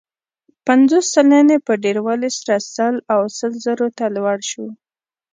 پنځوس سلنې په ډېروالي سره سل او لس زرو ته لوړ شو.